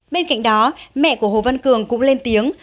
bên cạnh đó mẹ của hồ văn cường cũng lên tiếng